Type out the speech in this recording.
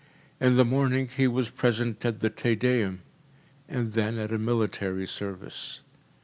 In the morning he was present at the Te Deum, and then at a military service.